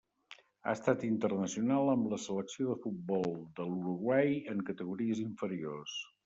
Ha estat internacional amb la selecció de futbol de l'Uruguai en categories inferiors.